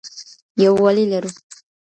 یووالی لرو.